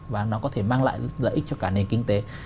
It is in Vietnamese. và nó có thể mang lại lợi ích cho cả nền kinh tế